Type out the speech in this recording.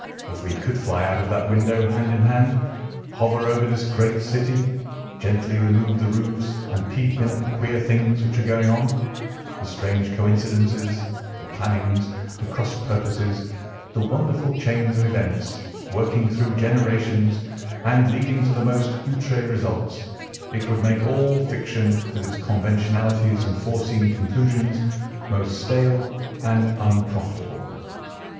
If we could fly out of that window hand in hand, hover over this great city, gently remove the roofs, and peep in at the queer things which are going on, the strange coincidences, the plannings, the cross purposes, the wonderful chains of events, working through generations, and leading to the most outré results, it would make all fiction with its conventionalities and foreseen conclusions most stale and unprofitable."